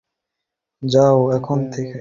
যাও, এখান থেকে।